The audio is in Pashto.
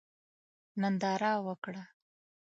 ننداره وکړه.